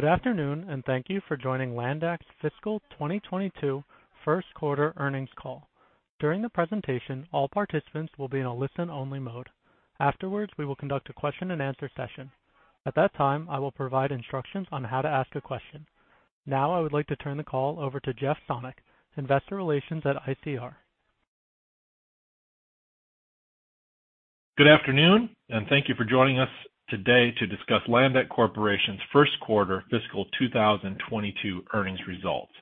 Good afternoon, and thank you for joining Landec's Fiscal 2022 First Quarter Earnings Call. During the presentation, all participants will be in a listen-only mode. Afterwards, we will conduct a question and answer session. At that time, I will provide instructions on how to ask a question. Now, I would like to turn the call over to Jeff Sonnek, Investor Relations at ICR. Good afternoon, and thank you for joining us today to discuss Landec Corporation's first quarter fiscal 2022 earnings results.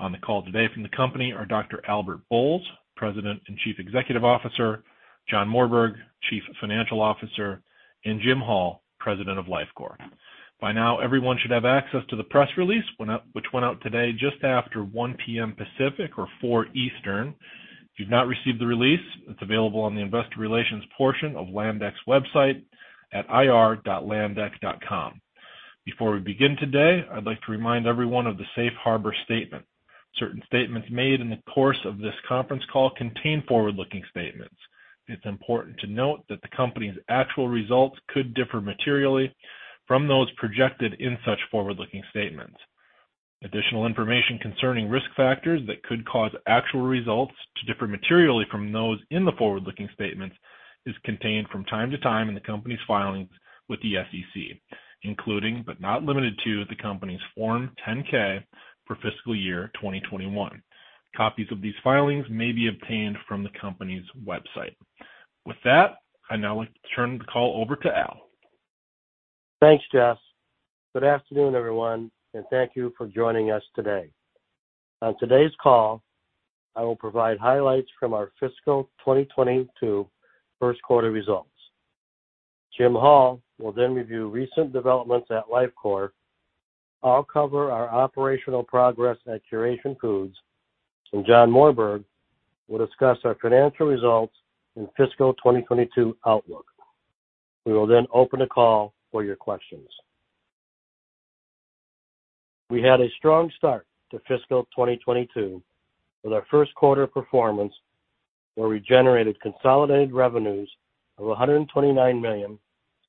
On the call today from the company are Dr. Albert Bolles, President and Chief Executive Officer, John Morberg, Chief Financial Officer, and Jim Hall, President of Lifecore. By now, everyone should have access to the press release, which went out today just after 1:00 P.M. Pacific or 4:00 P.M. Eastern. If you've not received the release, it's available on the investor relations portion of Landec's website at ir.landec.com. Before we begin today, I'd like to remind everyone of the safe harbor statement. Certain statements made in the course of this conference call contain forward-looking statements. It's important to note that the company's actual results could differ materially from those projected in such forward-looking statements. Additional information concerning risk factors that could cause actual results to differ materially from those in the forward-looking statements is contained from time to time in the company's filings with the SEC, including, but not limited to, the company's Form 10-K for fiscal year 2021. Copies of these filings may be obtained from the company's website. With that, I'd now like to turn the call over to Al. Thanks, Jeff. Good afternoon, everyone, thank you for joining us today. On today's call, I will provide highlights from our fiscal 2022 first quarter results. Jim Hall will review recent developments at Lifecore. I'll cover our operational progress at Curation Foods, John Morberg will discuss our financial results and fiscal 2022 outlook. We will open the call for your questions. We had a strong start to fiscal 2022 with our first quarter performance, where we generated consolidated revenues of $129 million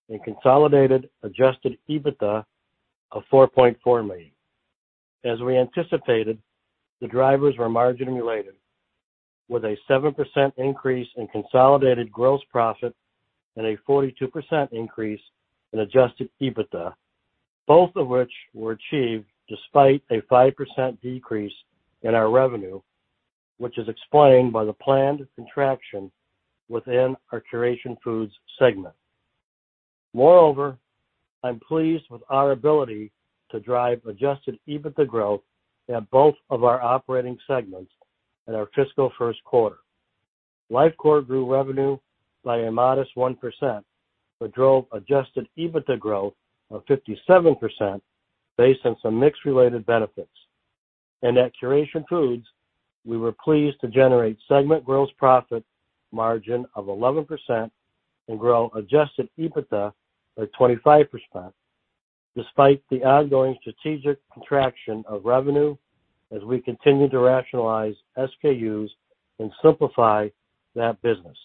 and consolidated Adjusted EBITDA of $4.4 million. As we anticipated, the drivers were margin-related, with a 7% increase in consolidated gross profit and a 42% increase in Adjusted EBITDA, both of which were achieved despite a 5% decrease in our revenue, which is explained by the planned contraction within our Curation Foods segment. Moreover, I'm pleased with our ability to drive Adjusted EBITDA growth at both of our operating segments in our fiscal first quarter. Lifecore grew revenue by a modest 1% but drove Adjusted EBITDA growth of 57% based on some mix-related benefits. At Curation Foods, we were pleased to generate segment gross profit margin of 11% and grow Adjusted EBITDA by 25%, despite the ongoing strategic contraction of revenue as we continue to rationalize SKUs and simplify that business.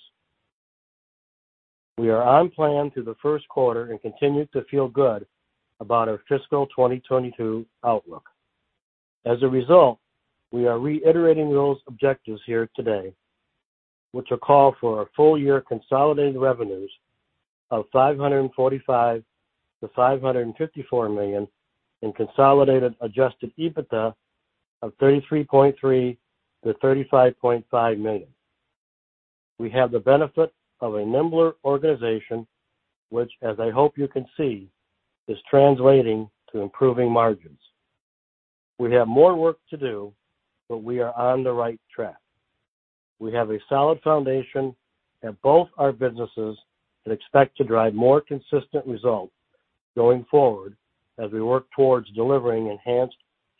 We are on plan through the first quarter and continue to feel good about our fiscal 2022 outlook. As a result, we are reiterating those objectives here today, which will call for our full-year consolidated revenues of $545 million-$554 million and consolidated Adjusted EBITDA of $33.3 million-$35.5 million. We have the benefit of a nimbler organization, which, as I hope you can see, is translating to improving margins. We have more work to do, but we are on the right track. We have a solid foundation at both our businesses and expect to drive more consistent results going forward as we work towards delivering enhanced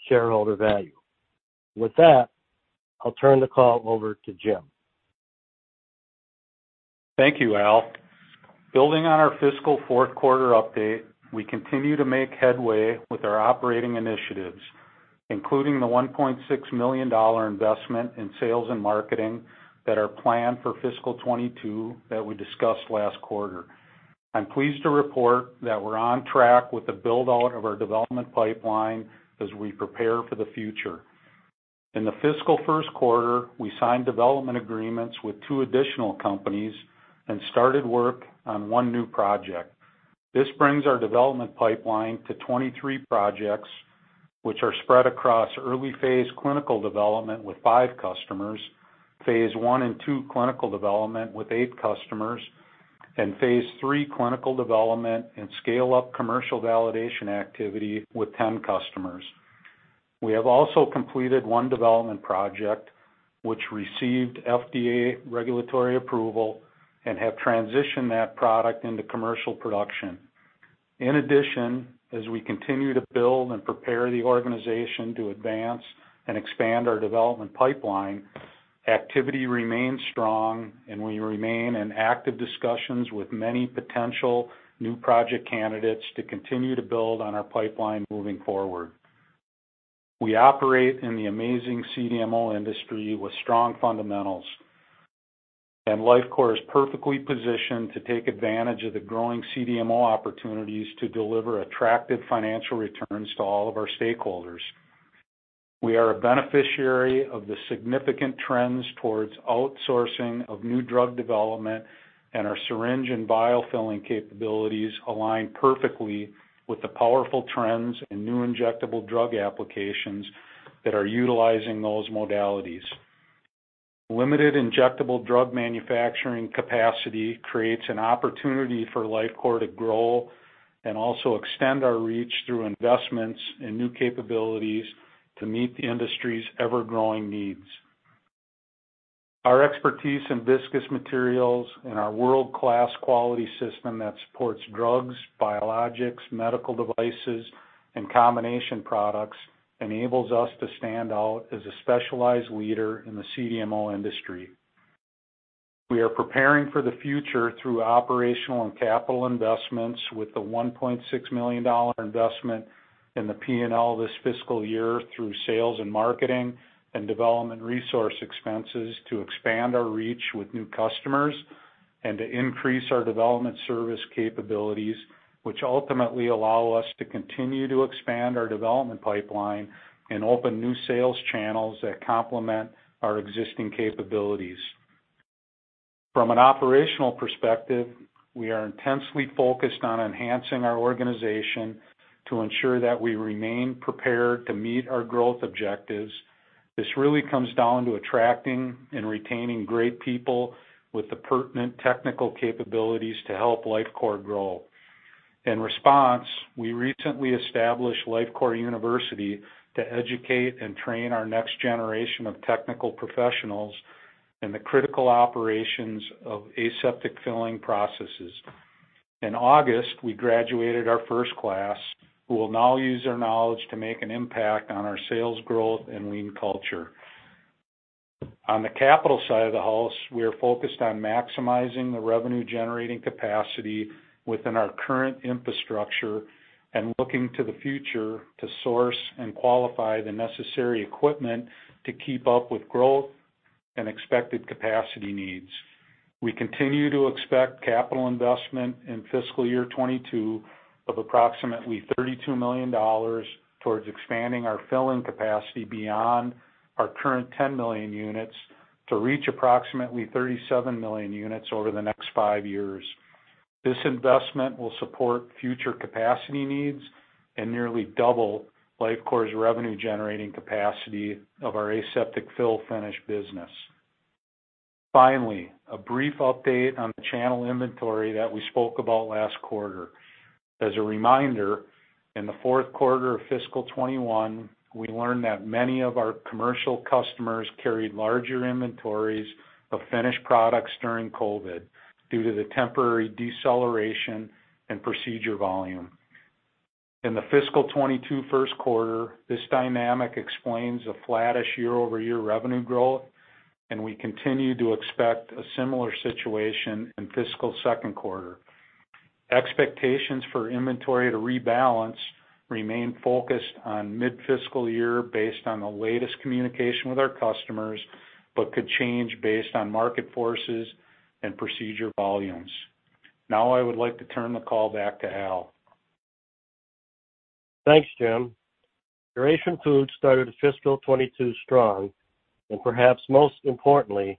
shareholder value. With that, I'll turn the call over to Jim. Thank you, Al. Building on our fiscal fourth quarter update, we continue to make headway with our operating initiatives, including the $1.6 million investment in sales and marketing that are planned for fiscal 2022 that we discussed last quarter. I'm pleased to report that we're on track with the build-out of our development pipeline as we prepare for the future. In the fiscal first quarter, we signed development agreements with two additional companies and started work on one new project. This brings our development pipeline to 23 projects, which are spread across early phase clinical development with five customers, phase I and II clinical development with eight customers, and phase III clinical development and scale-up commercial validation activity with 10 customers. We have also completed one development project which received FDA regulatory approval and have transitioned that product into commercial production. In addition, as we continue to build and prepare the organization to advance and expand our development pipeline, activity remains strong, and we remain in active discussions with many potential new project candidates to continue to build on our pipeline moving forward. We operate in the amazing CDMO industry with strong fundamentals. Lifecore is perfectly positioned to take advantage of the growing CDMO opportunities to deliver attractive financial returns to all of our stakeholders. We are a beneficiary of the significant trends towards outsourcing of new drug development, and our syringe and biofilling capabilities align perfectly with the powerful trends in new injectable drug applications that are utilizing those modalities. Limited injectable drug manufacturing capacity creates an opportunity for Lifecore to grow and also extend our reach through investments in new capabilities to meet the industry's ever-growing needs. Our expertise in viscous materials and our world-class quality system that supports drugs, biologics, medical devices, and combination products enables us to stand out as a specialized leader in the CDMO industry. We are preparing for the future through operational and capital investments with the $1.6 million investment in the P&L this fiscal year through sales and marketing and development resource expenses to expand our reach with new customers and to increase our development service capabilities, which ultimately allow us to continue to expand our development pipeline and open new sales channels that complement our existing capabilities. From an operational perspective, we are intensely focused on enhancing our organization to ensure that we remain prepared to meet our growth objectives. This really comes down to attracting and retaining great people with the pertinent technical capabilities to help Lifecore grow. In response, we recently established Lifecore University to educate and train our next generation of technical professionals in the critical operations of aseptic filling processes. In August, we graduated our first class, who will now use their knowledge to make an impact on our sales growth and lean culture. On the capital side of the house, we are focused on maximizing the revenue-generating capacity within our current infrastructure and looking to the future to source and qualify the necessary equipment to keep up with growth and expected capacity needs. We continue to expect capital investment in fiscal year 2022 of approximately $32 million towards expanding our filling capacity beyond our current 10 million units to reach approximately 37 million units over the next five years. This investment will support future capacity needs and nearly double Lifecore's revenue-generating capacity of our aseptic fill finish business. Finally, a brief update on the channel inventory that we spoke about last quarter. As a reminder, in the fourth quarter of fiscal 2021, we learned that many of our commercial customers carried larger inventories of finished products during COVID due to the temporary deceleration in procedure volume. In the fiscal 2022 first quarter, this dynamic explains a flattish year-over-year revenue growth, and we continue to expect a similar situation in fiscal second quarter. Expectations for inventory to rebalance remain focused on mid-fiscal year based on the latest communication with our customers, but could change based on market forces and procedure volumes. Now I would like to turn the call back to Al. Thanks, Jim. Curation Foods started fiscal 2022 strong. Perhaps most importantly,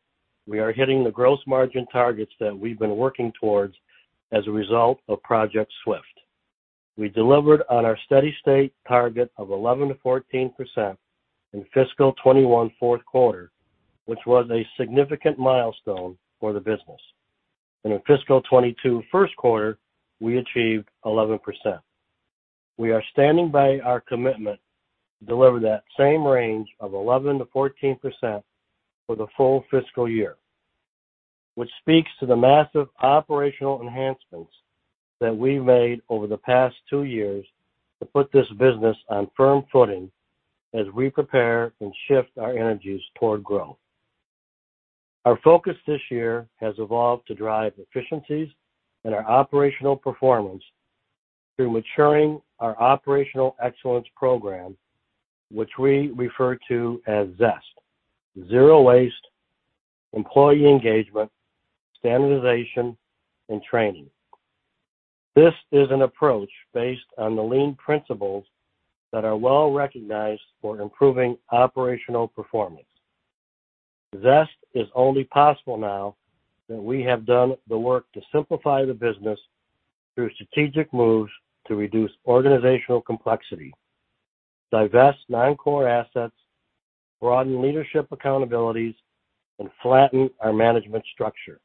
we are hitting the gross margin targets that we've been working towards as a result of Project SWIFT. We delivered on our steady state target of 11%-14% in fiscal 2021 fourth quarter, which was a significant milestone for the business. In fiscal 2022 first quarter, we achieved 11%. We are standing by our commitment to deliver that same range of 11%-14% for the full fiscal year, which speaks to the massive operational enhancements that we've made over the past two years to put this business on firm footing as we prepare and shift our energies toward growth. Our focus this year has evolved to drive efficiencies in our operational performance through maturing our operational excellence program, which we refer to as ZEST. Zero Waste, Employee Engagement, Standardization, and Training. This is an approach based on the lean principles that are well recognized for improving operational performance. ZEST is only possible now that we have done the work to simplify the business through strategic moves to reduce organizational complexity, divest non-core assets, broaden leadership accountabilities, and flatten our management structure.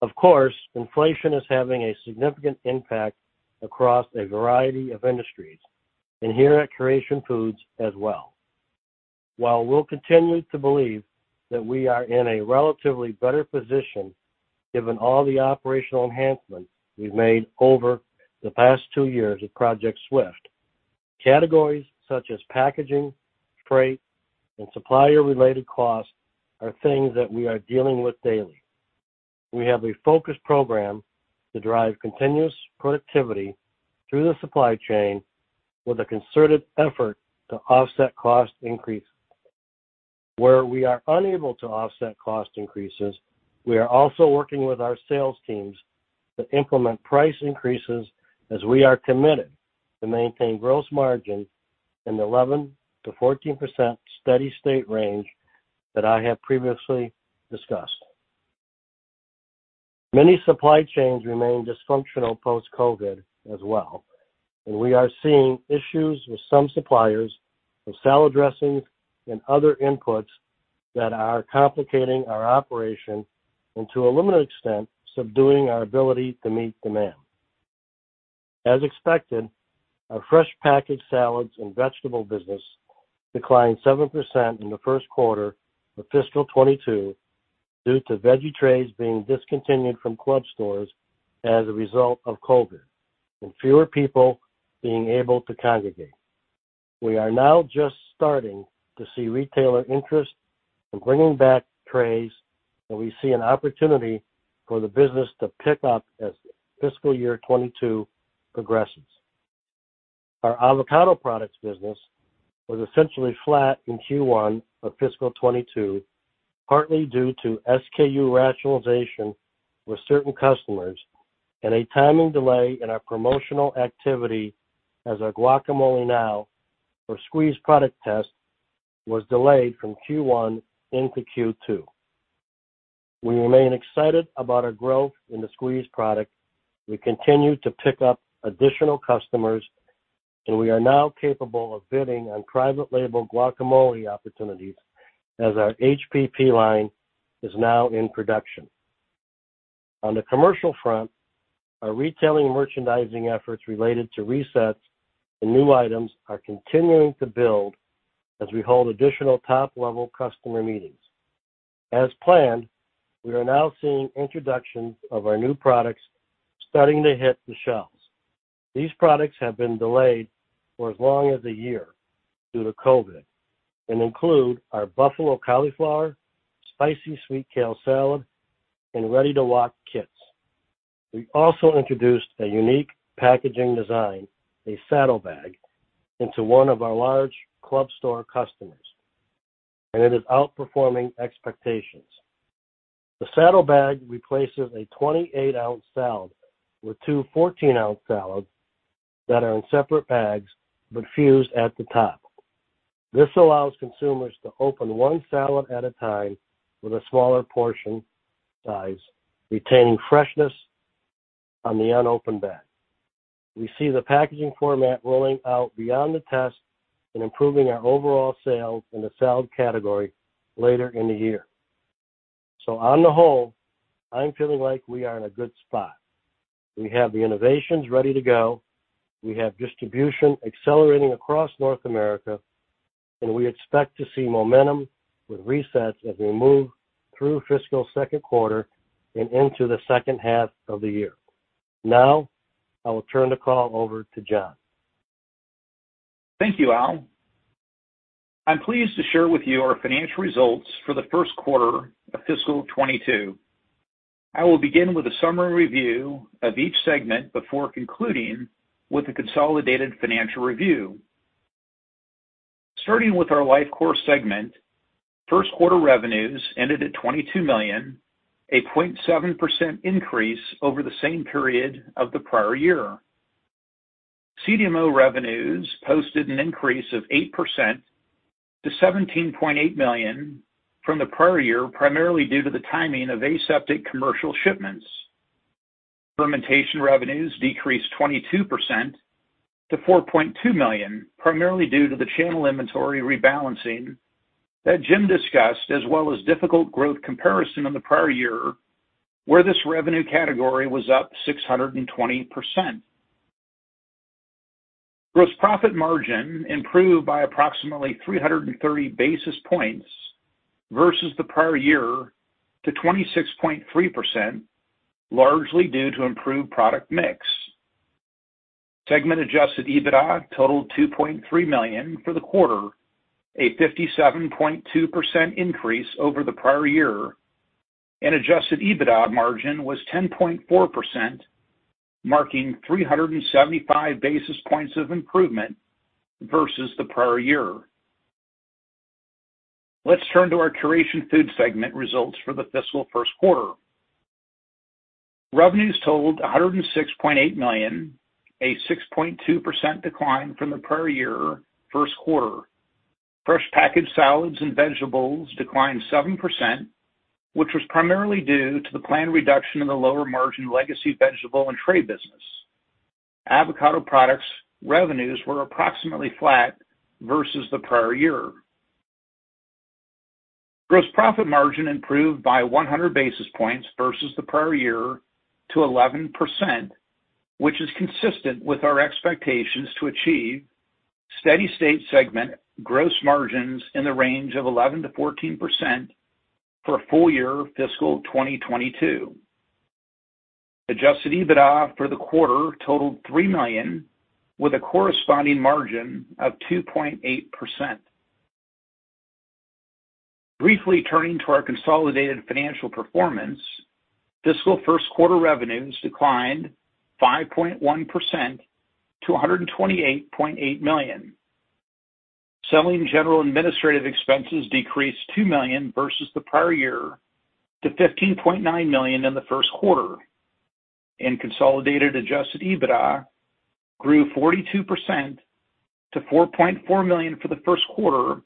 Of course, inflation is having a significant impact across a variety of industries, and here at Curation Foods as well. While we'll continue to believe that we are in a relatively better position given all the operational enhancements we've made over the past two years with Project SWIFT, categories such as packaging, freight, and supplier-related costs are things that we are dealing with daily. We have a focused program to drive continuous productivity through the supply chain with a concerted effort to offset cost increases. Where we are unable to offset cost increases, we are also working with our sales teams to implement price increases as we are committed to maintain gross margin in the 11%-14% steady-state range that I have previously discussed. Many supply chains remain dysfunctional post-COVID as well. We are seeing issues with some suppliers of salad dressings and other inputs that are complicating our operation, and to a limited extent, subduing our ability to meet demand. As expected, our fresh packaged salads and vegetable business declined 7% in the first quarter of fiscal 2022 due to veggie trays being discontinued from club stores as a result of COVID. Fewer people being able to congregate. We are now just starting to see retailer interest in bringing back trays. We see an opportunity for the business to pick up as fiscal year 2022 progresses. Our avocado products business was essentially flat in Q1 of fiscal 2022, partly due to SKU rationalization with certain customers, and a timing delay in our promotional activity as our guacamole now or squeeze product test was delayed from Q1 into Q2. We remain excited about our growth in the squeeze product. We continue to pick up additional customers, and we are now capable of bidding on private label guacamole opportunities as our HPP line is now in production. On the commercial front, our retailing merchandising efforts related to resets and new items are continuing to build as we hold additional top-level customer meetings. As planned, we are now seeing introductions of our new products starting to hit the shelves. These products have been delayed for as long as a year due to COVID and include our buffalo cauliflower, Spicy Sweet Kale Salad, and Ready-to-Wok kits. We also introduced a unique packaging design, a saddle bag, into one of our large club store customers. It is outperforming expectations. The saddle bag replaces a 28-ounce salad with two 14-ounce salads that are in separate bags but fused at the top. This allows consumers to open one salad at a time with a smaller portion size, retaining freshness on the unopened bag. We see the packaging format rolling out beyond the test and improving our overall sales in the salad category later in the year. On the whole, I'm feeling like we are in a good spot. We have the innovations ready to go. We have distribution accelerating across North America. We expect to see momentum with resets as we move through fiscal second quarter and into the second half of the year. I will turn the call over to John. Thank you, Al. I'm pleased to share with you our financial results for the first quarter of fiscal 2022. I will begin with a summary review of each segment before concluding with the consolidated financial review. Starting with our Lifecore segment, first quarter revenues ended at $22 million, a 0.7% increase over the same period of the prior year. CDMO revenues posted an increase of 8% to $17.8 million from the prior year, primarily due to the timing of aseptic commercial shipments. Fermentation revenues decreased 22% to $4.2 million, primarily due to the channel inventory rebalancing that Jim discussed, as well as difficult growth comparison in the prior year where this revenue category was up 620%. Gross profit margin improved by approximately 330 basis points versus the prior year to 26.3%, largely due to improved product mix. Segment Adjusted EBITDA totaled $2.3 million for the quarter, a 57.2% increase over the prior year, and Adjusted EBITDA margin was 10.4%, marking 375 basis points of improvement versus the prior year. Let's turn to our Curation Foods segment results for the fiscal first quarter. Revenues totaled $106.8 million, a 6.2% decline from the prior year first quarter. Fresh packaged salads and vegetables declined 7%, which was primarily due to the planned reduction in the lower margin legacy vegetable and tray business. Avocado products revenues were approximately flat versus the prior year. Gross profit margin improved by 100 basis points versus the prior year to 11%, which is consistent with our expectations to achieve steady-state segment gross margins in the range of 11%-14% for full year fiscal 2022. Adjusted EBITDA for the quarter totaled $3 million with a corresponding margin of 2.8%. Briefly turning to our consolidated financial performance. Fiscal first quarter revenues declined 5.1% to $128.8 million. Selling general administrative expenses decreased $2 million versus the prior year to $15.9 million in the first quarter. Consolidated Adjusted EBITDA grew 42% to $4.4 million for the first quarter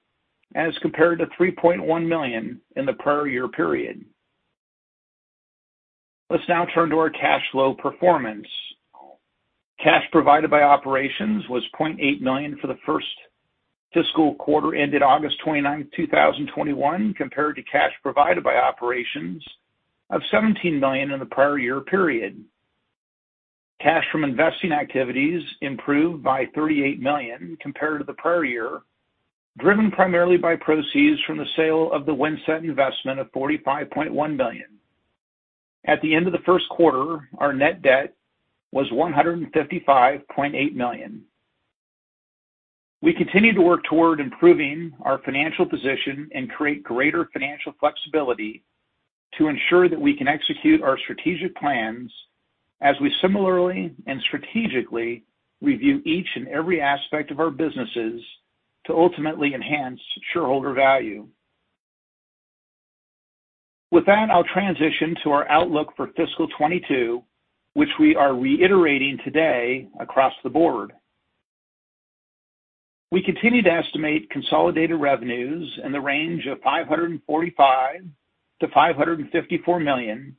as compared to $3.1 million in the prior year period. Let's now turn to our cash flow performance. Cash provided by operations was $0.8 million for the first fiscal quarter ended August 29, 2021, compared to cash provided by operations of $17 million in the prior year period. Cash from investing activities improved by $38 million compared to the prior year, driven primarily by proceeds from the sale of the Windset Investment of $45.1 million. At the end of the first quarter, our net debt was $155.8 million. We continue to work toward improving our financial position and create greater financial flexibility to ensure that we can execute our strategic plans as we similarly and strategically review each and every aspect of our businesses to ultimately enhance shareholder value. With that, I'll transition to our outlook for fiscal 2022, which we are reiterating today across the board. We continue to estimate consolidated revenues in the range of $545 million-$554 million,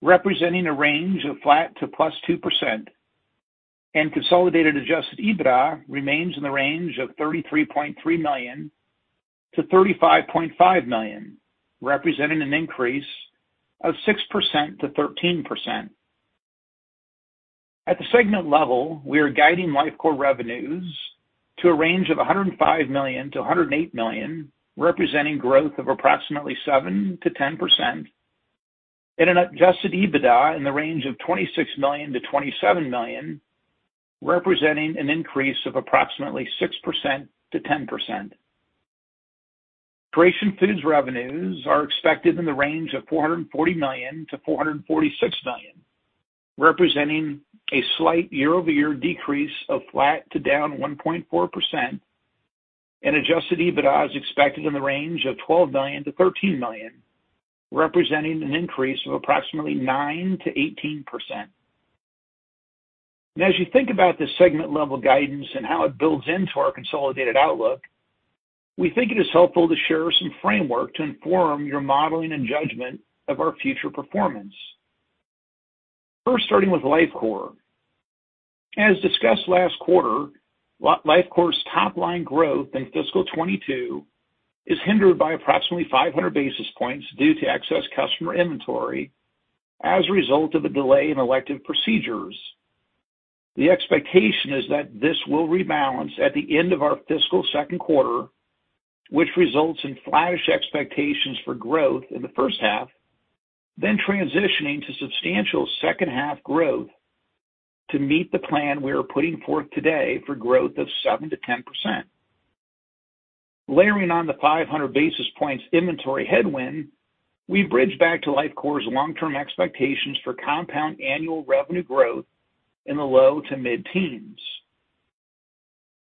representing a range of flat to +2%. Consolidated Adjusted EBITDA remains in the range of $33.3 million-$35.5 million, representing an increase of 6%-13%. At the segment level, we are guiding Lifecore revenues to a range of $105 million-$108 million, representing growth of approximately 7%-10%. An Adjusted EBITDA in the range of $26 million-$27 million, representing an increase of approximately 6%-10%. Curation Foods revenues are expected in the range of $440 million-$446 million, representing a slight year-over-year decrease of flat to down 1.4%. Adjusted EBITDA is expected in the range of $12 million-$13 million, representing an increase of approximately 9%-18%. As you think about the segment level guidance and how it builds into our consolidated outlook, we think it is helpful to share some framework to inform your modeling and judgment of our future performance. First, starting with Lifecore. As discussed last quarter, Lifecore's top-line growth in FY 2022 is hindered by approximately 500 basis points due to excess customer inventory as a result of a delay in elective procedures. The expectation is that this will rebalance at the end of our fiscal second quarter, which results in flattish expectations for growth in the first half, then transitioning to substantial second half growth to meet the plan we are putting forth today for growth of 7% to 10%. Layering on the 500 basis points inventory headwind, we bridge back to Lifecore's long-term expectations for compound annual revenue growth in the low to mid-teens.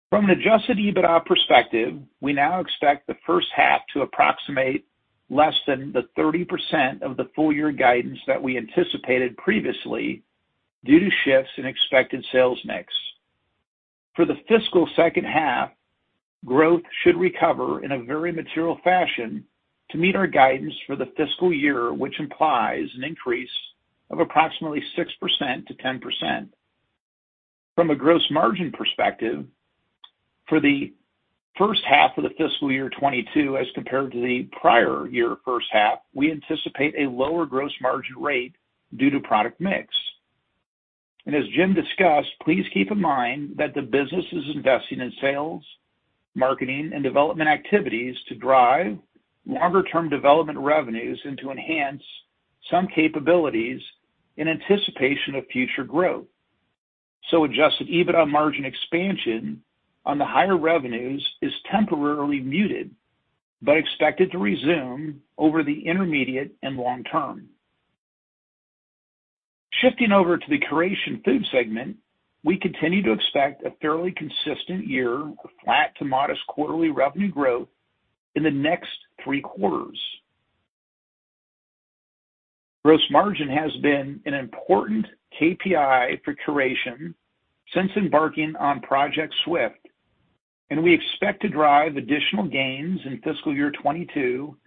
From an Adjusted EBITDA perspective, we now expect the first half to approximate less than the 30% of the full year guidance that we anticipated previously due to shifts in expected sales mix. For the fiscal second half, growth should recover in a very material fashion to meet our guidance for the fiscal year, which implies an increase of approximately 6% to 10%. From a gross margin perspective, for the first half of the fiscal year 2022 as compared to the prior year first half, we anticipate a lower gross margin rate due to product mix. As Jim discussed, please keep in mind that the business is investing in sales, marketing, and development activities to drive longer-term development revenues and to enhance some capabilities in anticipation of future growth. Adjusted EBITDA margin expansion on the higher revenues is temporarily muted, but expected to resume over the intermediate and long term. Shifting over to the Curation Foods segment, we continue to expect a fairly consistent year of flat to modest quarterly revenue growth in the next three quarters. Gross margin has been an important KPI for Curation since embarking on Project SWIFT. We expect to drive additional gains in fiscal year 2022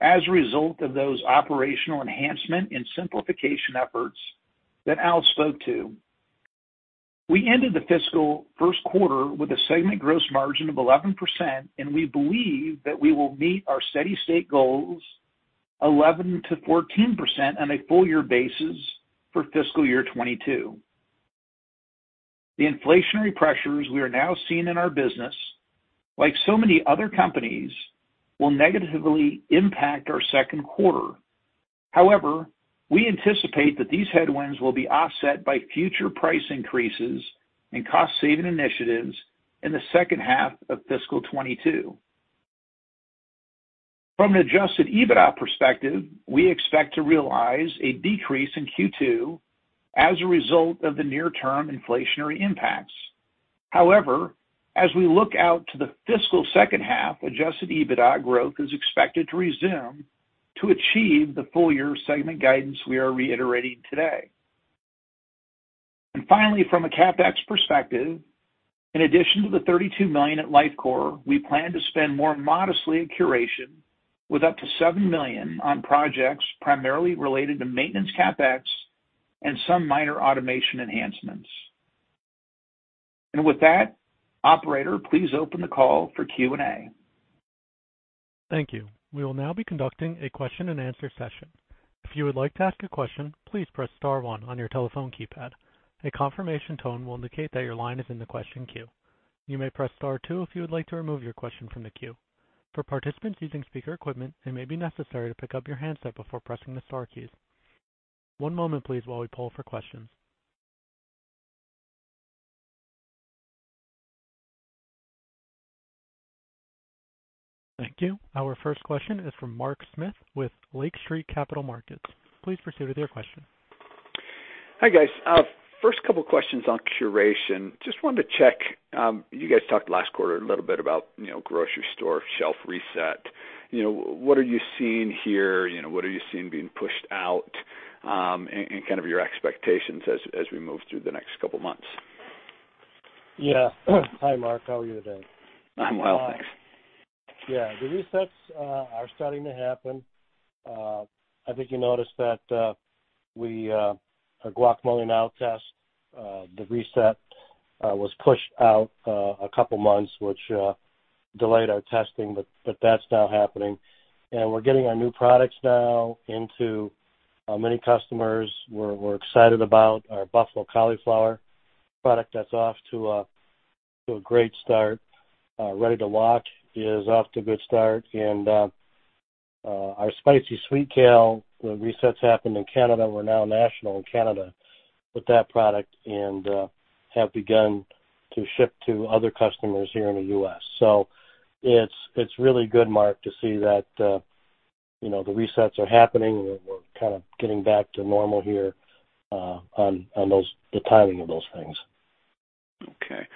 as a result of those operational enhancement and simplification efforts that Al spoke to. We ended the fiscal first quarter with a segment gross margin of 11%. We believe that we will meet our steady-state goals 11%-14% on a full year basis for fiscal year 2022. The inflationary pressures we are now seeing in our business, like so many other companies, will negatively impact our second quarter. However, we anticipate that these headwinds will be offset by future price increases and cost-saving initiatives in the second half of fiscal 2022. From an Adjusted EBITDA perspective, we expect to realize a decrease in Q2 as a result of the near-term inflationary impacts. However, as we look out to the fiscal second half, adjusted EBITDA growth is expected to resume to achieve the full-year segment guidance we are reiterating today. Finally, from a CapEx perspective, in addition to the $32 million at Lifecore, we plan to spend more modestly at Curation with up to $7 million on projects primarily related to maintenance CapEx and some minor automation enhancements. With that, operator, please open the call for Q&A. Thank you. We will now be conducting a question and answer session. If you would like to ask a question, please press star one on your telephone keypad. A confirmation tone will indicate that your line is in the question queue. You may press star two if you would like to remove your question from the queue. For participants using speaker equipment, it may be necessary to pick up your handset before pressing the star key. One moment please while we pull for question. Thank you. Our first question is from Mark Smith with Lake Street Capital Markets. Please proceed with your question. Hi, guys. First couple of questions on Curation. Just wanted to check. You guys talked last quarter a little bit about grocery store shelf reset. What are you seeing here? What are you seeing being pushed out, and kind of your expectations as we move through the next couple of months? Yeah. Hi, Mark. How are you today? I'm well, thanks. Yeah. The resets are starting to happen. I think you noticed that our guacamole now tests. The reset was pushed out a couple of months, which delayed our testing, but that's now happening. We're getting our new products now into many customers. We're excited about our buffalo cauliflower product that's off to a great start. Ready-to-wok is off to a good start. Our Spicy Sweet Kale resets happened in Canada. We're now national in Canada with that product and have begun to ship to other customers here in the U.S. It's really good, Mark, to see that the resets are happening, and we're kind of getting back to normal here on the timing of those things. Okay.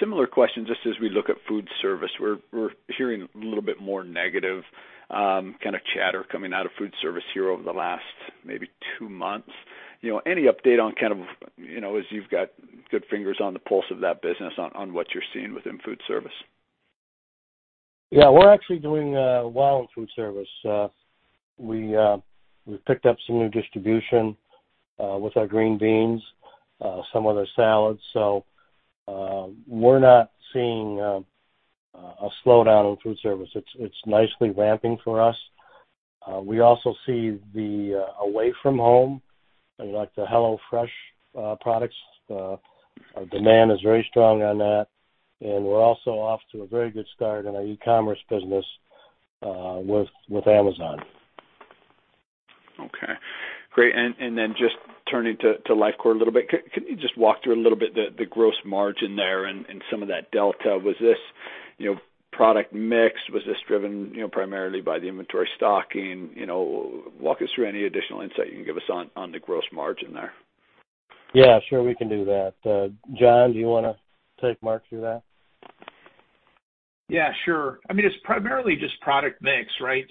Similar question, just as we look at food service, we're hearing a little bit more negative kind of chatter coming out of food service here over the last maybe two months. Any update on kind of as you've got good fingers on the pulse of that business on what you're seeing within food service? Yeah, we're actually doing well in food service. We picked up some new distribution with our green beans, some other salads. We're not seeing a slowdown in food service. It's nicely ramping for us. We also see the away from home, like the HelloFresh products. Our demand is very strong on that, and we're also off to a very good start in our e-commerce business with Amazon. Okay, great. Just turning to Lifecore a little bit. Can you just walk through a little bit the gross margin there and some of that delta? Was this product mix? Was this driven primarily by the inventory stocking? Walk us through any additional insight you can give us on the gross margin there. Yeah, sure. We can do that. John, do you want to take Mark through that? Yeah, sure. It's primarily just product mix, right?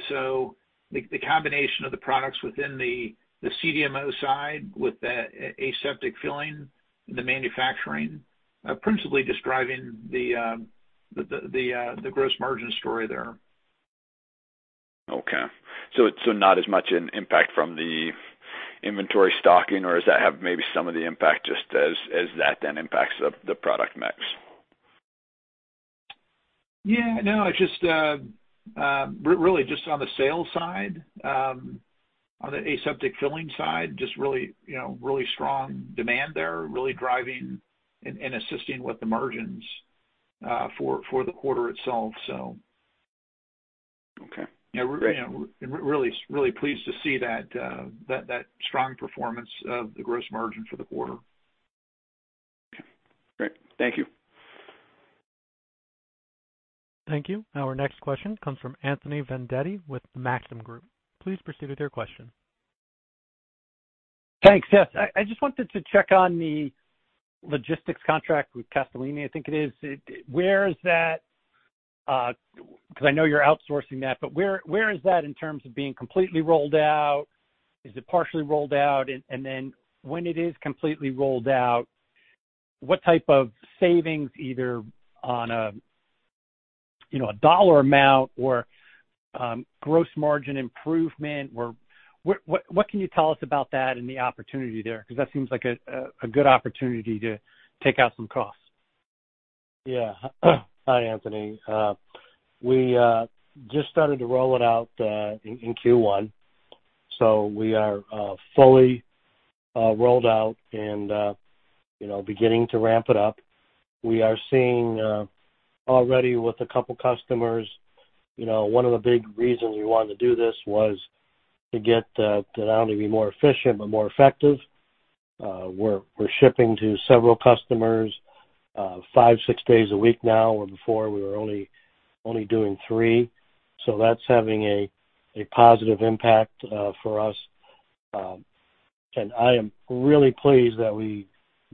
The combination of the products within the CDMO side with the aseptic filling, the manufacturing, principally just driving the gross margin story there. Okay. Not as much an impact from the inventory stocking or does that have maybe some of the impact just as that then impacts the product mix? It's just really just on the sales side, on the aseptic filling side, just really strong demand there, really driving and assisting with the margins for the quarter itself. Okay. Yeah, we're really pleased to see that strong performance of the gross margin for the quarter. Okay, great. Thank you. Thank you. Our next question comes from Anthony Vendetti with Maxim Group. Please proceed with your question. Thanks. Yes. I just wanted to check on the logistics contract with Castellini, I think it is. Where is that? I know you're outsourcing that, but where is that in terms of being completely rolled out? Is it partially rolled out? When it is completely rolled out, what type of savings, either on a dollar amount or gross margin improvement, what can you tell us about that and the opportunity there? That seems like a good opportunity to take out some costs. Yeah. Hi, Anthony. We just started to roll it out in Q1. We are fully rolled out and beginning to ramp it up. We are seeing already with a couple customers, one of the big reasons we wanted to do this was to get to not only be more efficient but more effective. We're shipping to several customers five, six days a week now, where before we were only doing three. That's having a positive impact for us. I am really pleased that we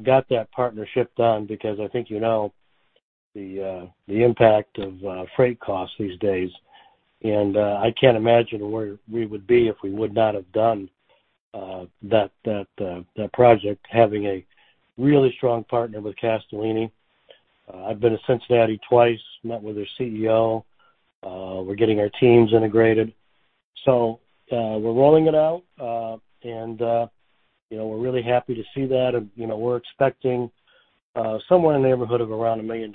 got that partnership done because I think you know the impact of freight costs these days. I can't imagine where we would be if we would not have done that project, having a really strong partner with Castellini. I've been to Cincinnati twice, met with their CEO. We're getting our teams integrated. We're rolling it out. We're really happy to see that. We're expecting somewhere in the neighborhood of around $1 million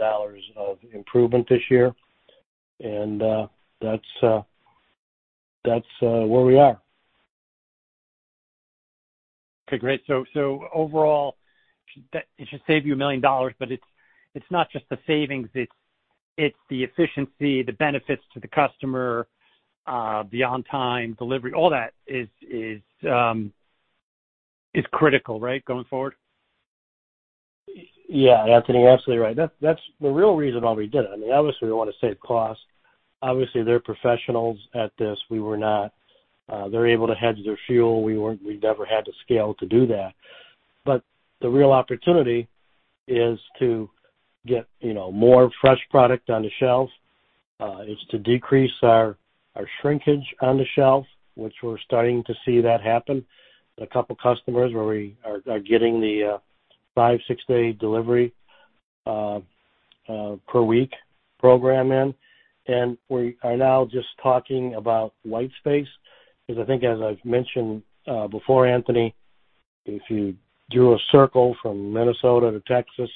of improvement this year. That's where we are. Okay, great. Overall, it should save you $1 million, but it's not just the savings, it's the efficiency, the benefits to the customer, the on-time delivery, all that is critical, right, going forward? Yeah. Anthony, absolutely right. That's the real reason why we did it. I mean, obviously, we want to save costs. Obviously, they're professionals at this. We were not. They're able to hedge their fuel. We never had the scale to do that. The real opportunity is to get more fresh product on the shelves. It's to decrease our shrinkage on the shelves, which we're starting to see that happen with a couple customers where we are getting the five, six-day delivery per week program in. We are now just talking about white space, because I think as I've mentioned before, Anthony, if you drew a circle from Minnesota to Texas,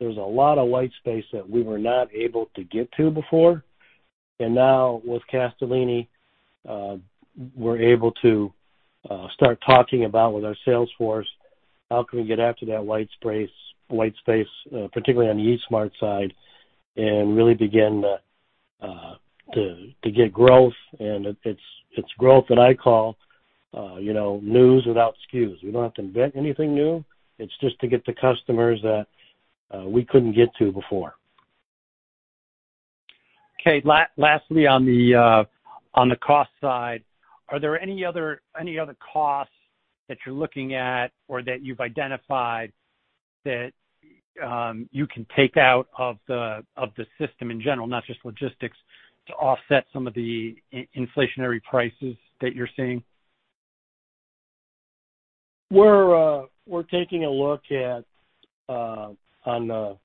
there's a lot of white space that we were not able to get to before. Now with Castellini, we're able to start talking about with our sales force, how can we get after that white space, particularly on the Eat Smart side, and really begin to get growth. It's growth that I call news without SKUs. We don't have to invent anything new. It's just to get to customers that we couldn't get to before. Okay. Lastly, on the cost side, are there any other costs that you're looking at or that you've identified that you can take out of the system in general, not just logistics, to offset some of the inflationary prices that you're seeing? We're taking a look at, on the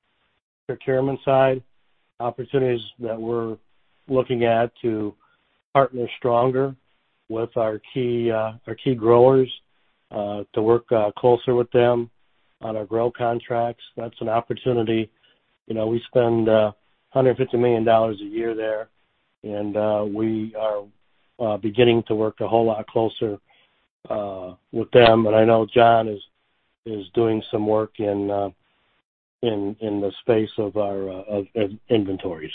procurement side, opportunities that we're looking at to partner stronger with our key growers, to work closer with them on our grow contracts. That's an opportunity. We spend $150 million a year there, and we are beginning to work a whole lot closer with them. I know John is doing some work in the space of inventories.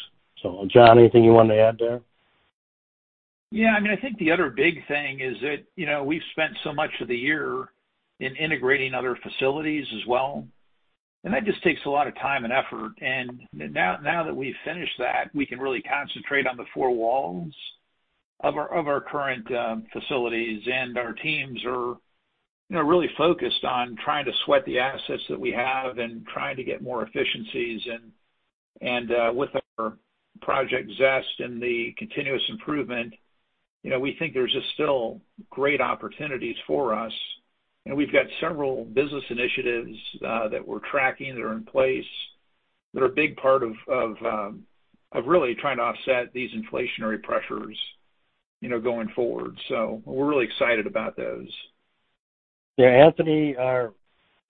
John, anything you want to add there? Yeah. I mean, I think the other big thing is that we've spent so much of the year in integrating other facilities as well. That just takes a lot of time and effort. Now that we've finished that, we can really concentrate on the four walls of our current facilities. Our teams are really focused on trying to sweat the assets that we have and trying to get more efficiencies. With our Project ZEST and the continuous improvement, we think there's just still great opportunities for us. We've got several business initiatives that we're tracking that are in place that are a big part of really trying to offset these inflationary pressures going forward. We're really excited about those. Yeah, Anthony, our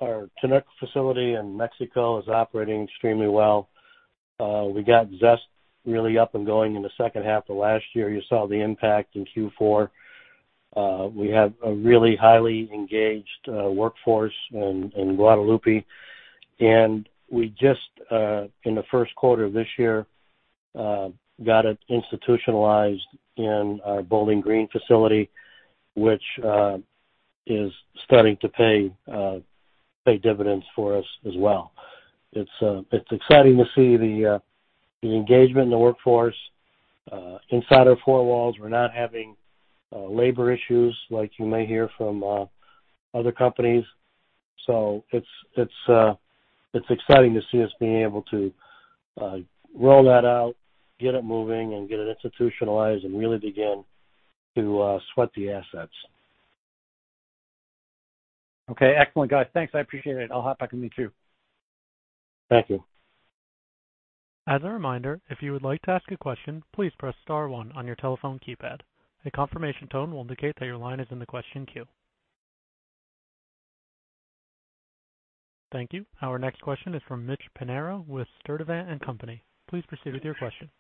[Tanok facility in Mexico is operating extremely well. We got ZEST really up and going in the second half of last year. You saw the impact in Q4. We have a really highly engaged workforce in Guadalupe. We just, in the first quarter of this year, got it institutionalized in our Bowling Green facility, which is starting to pay dividends for us as well. It's exciting to see the engagement in the workforce inside our four walls. We're not having labor issues like you may hear from other companies. It's exciting to see us being able to roll that out, get it moving, and get it institutionalized and really begin to sweat the assets. Okay. Excellent, guys. Thanks. I appreciate it. I'll hop back in with you. Thank you. As a reminder, if you would like to ask a question, please press star one on your telephone keypad. A confirmation tone will indicate that your line is in the question queue. Thank you. Our next question is from Mitch Pinheiro with Sturdivant & Co. Please proceed with your question.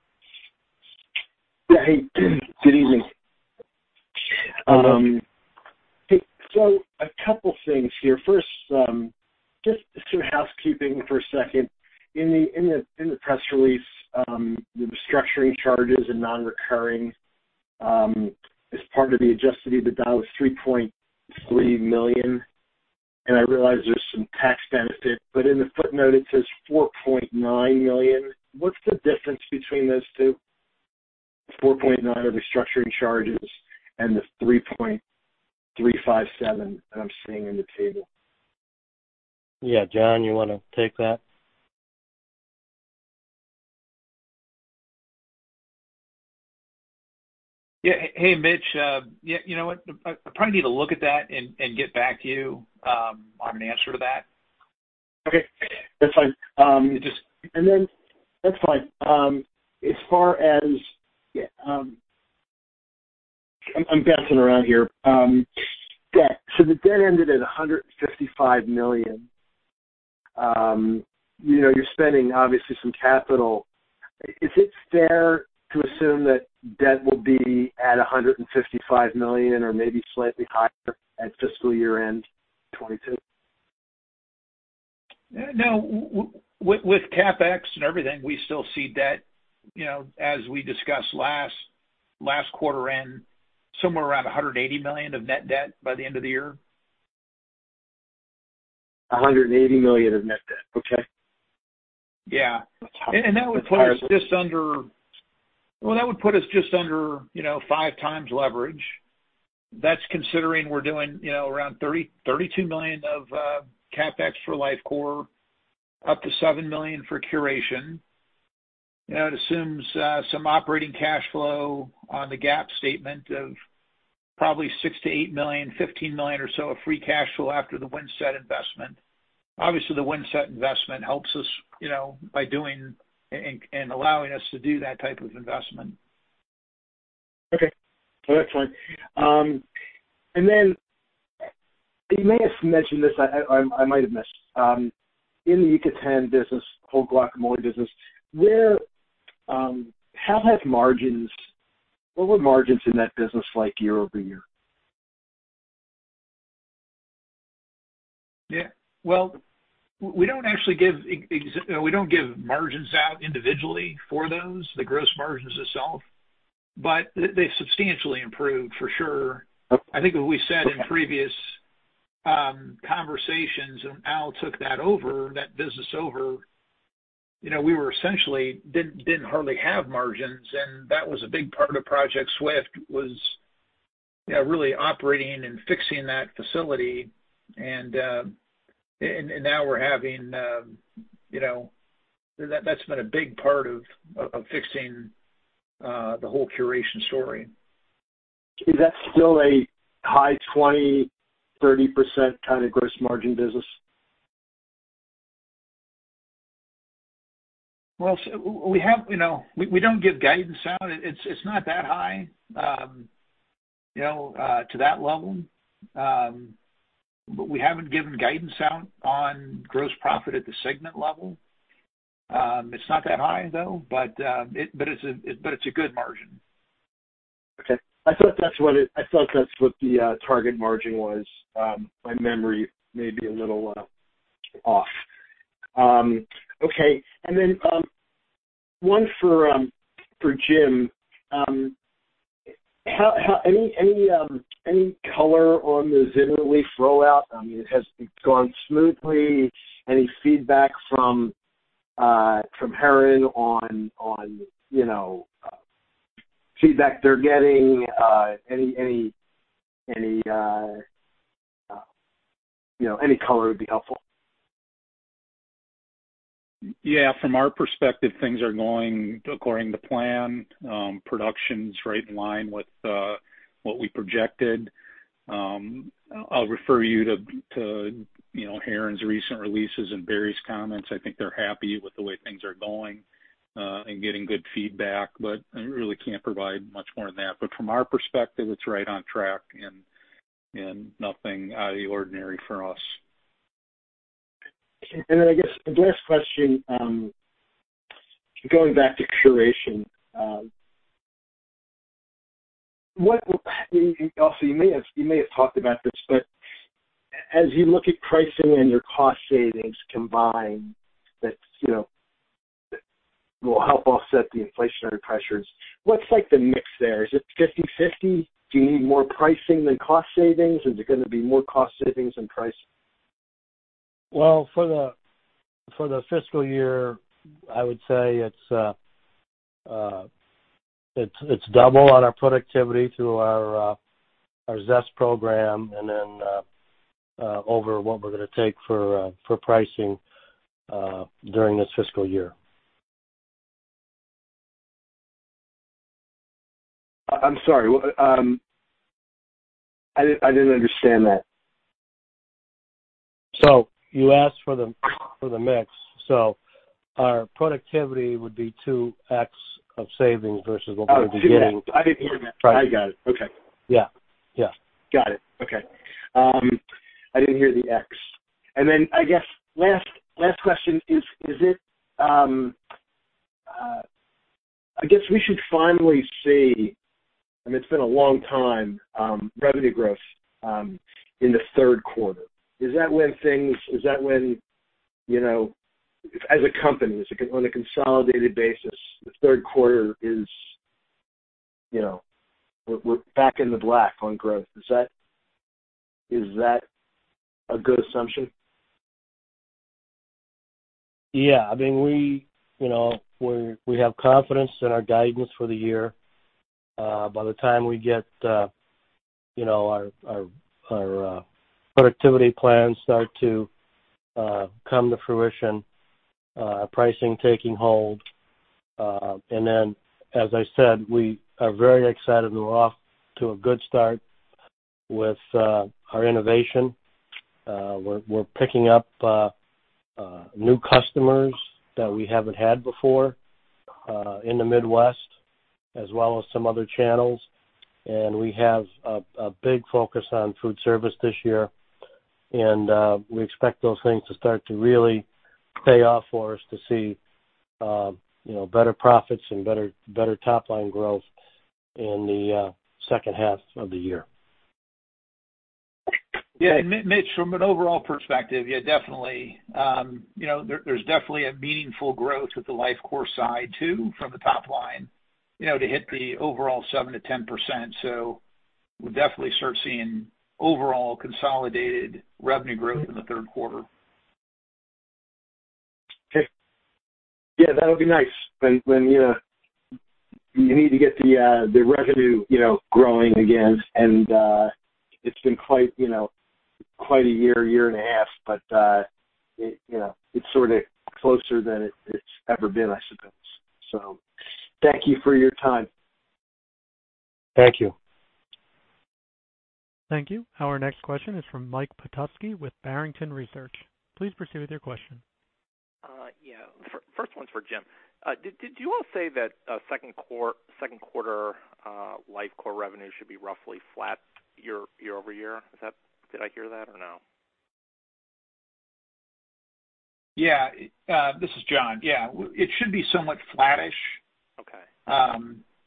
Hey, good evening. A couple of things here. First, just some housekeeping for a second. In the press release, the restructuring charges and non-recurring as part of the Adjusted EBITDA was $3.3 million, and I realize there's some tax benefit. In the footnote, it says $4.9 million. What's the difference between those two? $4.9 of the restructuring charges and the $3.357 that I'm seeing in the table. Yeah. John, you want to take that? Yeah. Hey, Mitch. You know what? I probably need to look at that and get back to you on an answer to that. Okay. That's fine. That's fine. As far as I'm bouncing around here. Debt. The debt ended at $155 million. You're spending, obviously, some capital. Is it fair to assume that debt will be at $155 million or maybe slightly higher at fiscal year-end 2022? No. With CapEx and everything, we still see debt, as we discussed last quarter end, somewhere around $180 million of net debt by the end of the year. $180 million of net debt. Okay. Yeah. That's high. That would put us just under 5x leverage. That's considering we're doing around $32 million of CapEx for Lifecore, up to $7 million for Curation. It assumes some operating cash flow on the GAAP statement of probably $6 million-$8 million, $15 million or so of free cash flow after the Windset investment. Obviously, the Windset investment helps us by doing and allowing us to do that type of investment. Okay. No, that's fine. You may have mentioned this, I might have missed. In the Yucatan business, whole guacamole business, what were margins in that business like year-over-year? We don't give margins out individually for those, the gross margins itself, but they've substantially improved, for sure. Okay. I think as we said in previous conversations, when Al took that business over, we essentially didn't hardly have margins, and that was a big part of Project SWIFT, was really operating and fixing that facility. Now that's been a big part of fixing the whole Curation story. Is that still a high 20%, 30% kind of gross margin business? Well, we don't give guidance out. It's not that high to that level. We haven't given guidance out on gross profit at the segment level. It's not that high, though, but it's a good margin. Okay. I thought that's what the target margin was. My memory may be a little off. Okay. Then one for Jim. Any color on the ZYNRELEF roll out? I mean, has it gone smoothly? Any feedback from Heron on feedback they're getting? Any color would be helpful. From our perspective, things are going according to plan. Production's right in line with what we projected. I'll refer you to Heron's recent releases and Barry's comments. I think they're happy with the way things are going and getting good feedback, but I really can't provide much more than that. From our perspective, it's right on track and nothing out of the ordinary for us. Okay. I guess the last question, going back to Curation. Al, you may have talked about this, as you look at pricing and your cost savings combined that will help offset the inflationary pressures, what's the mix there? Is it 50/50? Do you need more pricing than cost savings? Is it going to be more cost savings than pricing? Well, for the fiscal year, I would say it's double on our productivity through our ZEST program and then over what we're going to take for pricing during this fiscal year. I'm sorry. I didn't understand that. You asked for the mix. Our productivity would be 2x of savings versus what we're beginning- Oh, 2x. I didn't hear that. Right. I got it. Okay. Yeah. Got it. Okay. I didn't hear the X. I guess last question is, I guess we should finally see, and it's been a long time, revenue growth, in the third quarter. Is that when, as a company, on a consolidated basis, the third quarter is we're back in the black on growth? Is that a good assumption? Yeah, we have confidence in our guidance for the year. By the time our productivity plans start to come to fruition, pricing taking hold. As I said, we are very excited and we're off to a good start with our innovation. We're picking up new customers that we haven't had before, in the Midwest as well as some other channels. We have a big focus on food service this year. We expect those things to start to really pay off for us to see better profits and better top-line growth in the second half of the year. Yeah. Okay. Mitch, from an overall perspective, yeah, definitely. There's definitely a meaningful growth with the Lifecore side, too, from the top line to hit the overall 7%-10%. We'll definitely start seeing overall consolidated revenue growth in the third quarter. Okay. Yeah, that'll be nice when you need to get the revenue growing again. It's been quite a year and a half, but it's sort of closer than it's ever been, I suppose. Thank you for your time. Thank you. Thank you. Our next question is from Mike Petusky with Barrington Research. Please proceed with your question. Yeah. First one's for Jim. Did you all say that second quarter Lifecore revenue should be roughly flat year-over-year? Did I hear that or no? Yeah. This is John. Yeah. It should be somewhat flattish. Okay.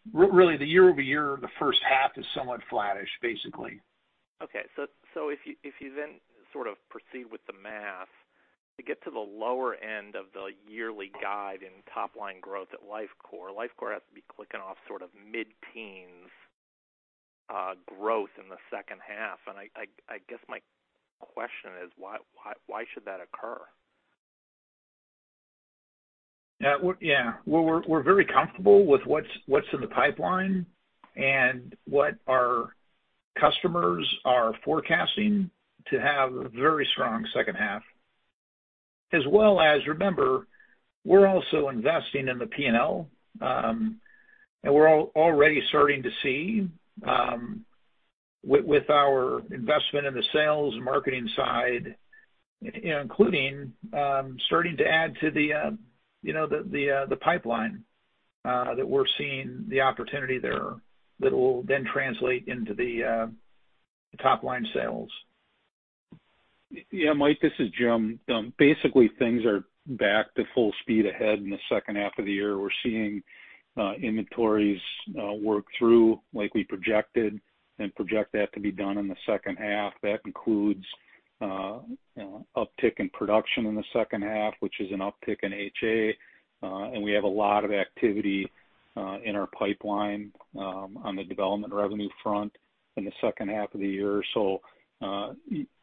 The year-over-year of the first half is somewhat flattish, basically. Okay. If you then sort of proceed with the math to get to the lower end of the yearly guide in top-line growth at Lifecore has to be clicking off sort of mid-teens growth in the second half. I guess my question is why should that occur? Yeah. Well, we're very comfortable with what's in the pipeline and what our customers are forecasting to have a very strong second half. As well as, remember, we're also investing in the P&L, and we're already starting to see with our investment in the sales marketing side, including starting to add to the pipeline that we're seeing the opportunity there that will then translate into the top-line sales. Yeah, Mike, this is Jim. Things are back to full speed ahead in the second half of the year. We're seeing inventories work through like we projected and project that to be done in the second half. That includes uptick in production in the second half, which is an uptick in HA. We have a lot of activity in our pipeline on the development revenue front in the second half of the year.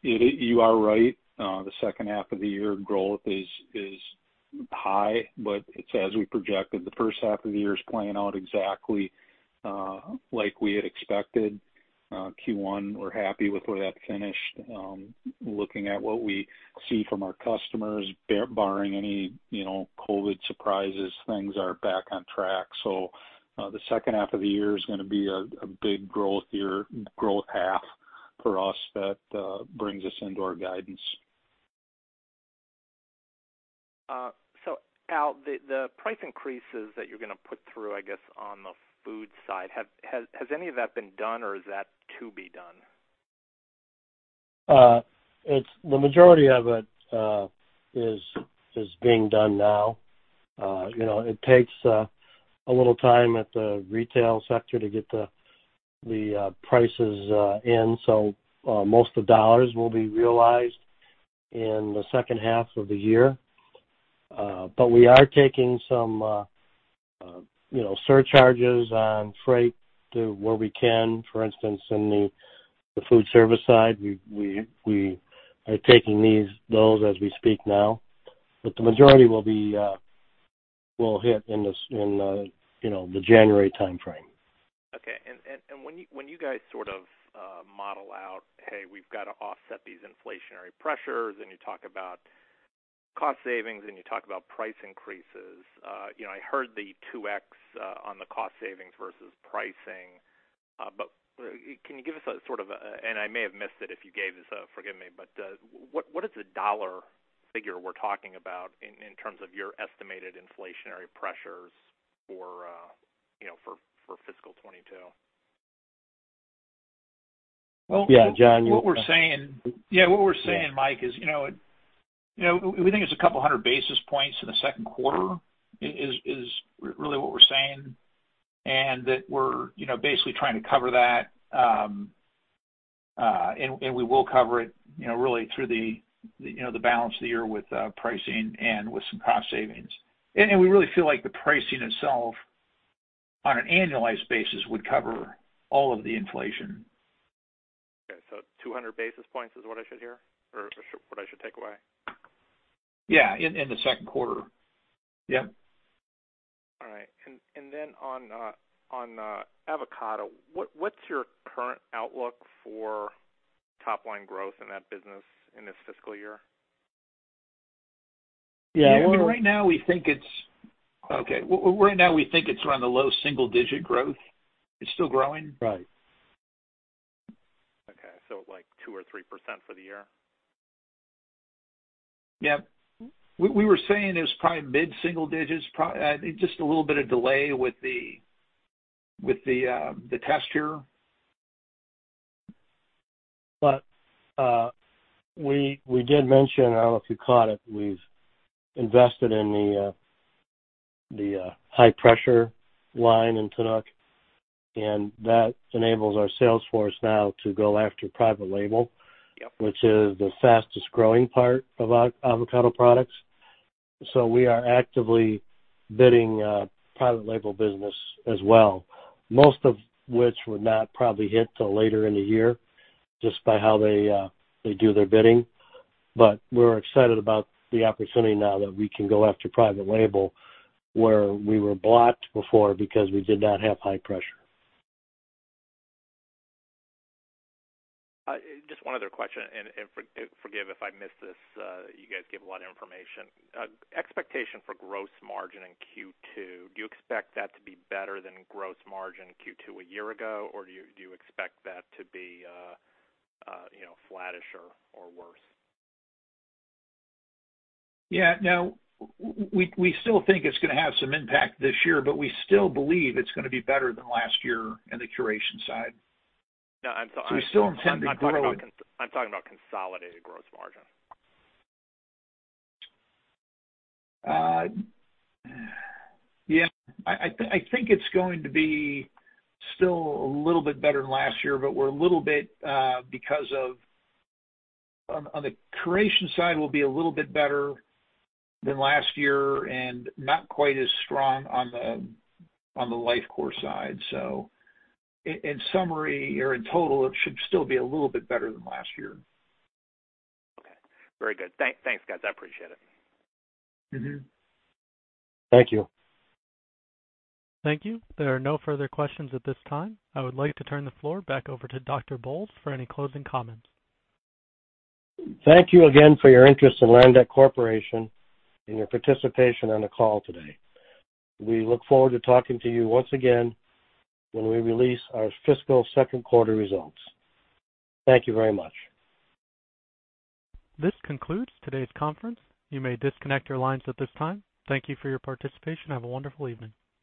You are right. The second half of the year growth is high, but it's as we projected. The first half of the year is playing out exactly like we had expected. Q1, we're happy with where that finished. Looking at what we see from our customers, barring any COVID surprises, things are back on track. The second half of the year is going to be a big growth year, growth half for us that brings us into our guidance. Al, the price increases that you're going to put through, I guess, on the food side, has any of that been done or is that to be done? The majority of it is being done now. It takes a little time at the retail sector to get the prices in. Most of the dollars will be realized in the second half of the year. We are taking some surcharges on freight to where we can. For instance, in the food service side, we are taking those as we speak now. The majority will hit in the January timeframe. Okay. When you guys sort of model out, "Hey, we've got to offset these inflationary pressures," and you talk about cost savings, and you talk about price increases. I heard the 2x on the cost savings versus pricing. Can you give us a, and I may have missed it if you gave this, forgive me, but what is the dollar figure we're talking about in terms of your estimated inflationary pressures for fiscal 2022? Well- Yeah, John. What we're saying, Mike, is we think it's a couple hundred basis points in the second quarter, is really what we're saying. That we're basically trying to cover that. We will cover it really through the balance of the year with pricing and with some cost savings. We really feel like the pricing itself, on an annualized basis, would cover all of the inflation. Okay, 200 basis points is what I should hear or what I should take away? Yeah. In the second quarter. Yeah. All right. On avocado, what's your current outlook for top-line growth in that business in this fiscal year? Yeah. Right now we think it's around the low single-digit growth. It's still growing. Right. Okay, like 2% or 3% for the year? Yeah. We were saying it was probably mid-single digits, probably. Just a little bit of delay with the test here. We did mention, I don't know if you caught it, we've invested in the high-pressure line in Tanok. That enables our sales force now to go after private label. Yep Which is the fastest-growing part of our avocado products. We are actively bidding private label business as well. Most of which would not probably hit till later in the year, just by how they do their bidding. We're excited about the opportunity now that we can go after private label, where we were blocked before because we did not have high pressure. Just one other question, and forgive if I missed this. You guys give a lot of information. Expectation for gross margin in Q2, do you expect that to be better than gross margin Q2 a year ago, or do you expect that to be flattish or worse? Yeah, no. We still think it's going to have some impact this year, but we still believe it's going to be better than last year in the Curation side. No. We still intend to grow. I'm talking about consolidated gross margin. I think it's going to be still a little bit better than last year, but on the Curation side, we'll be a little bit better than last year and not quite as strong on the Lifecore side. In summary or in total, it should still be a little bit better than last year. Okay. Very good. Thanks, guys. I appreciate it. Thank you. Thank you. There are no further questions at this time. I would like to turn the floor back over to Dr. Bolles for any closing comments. Thank you again for your interest in Landec Corporation and your participation on the call today. We look forward to talking to you once again when we release our fiscal second quarter results. Thank you very much. This concludes today's conference. You may disconnect your lines at this time. Thank you for your participation. Have a wonderful evening.